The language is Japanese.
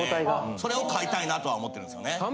それを買いたいなとは思ってるんですよね。